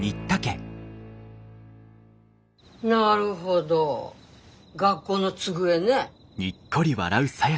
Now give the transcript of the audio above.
なるほど学校の机ね。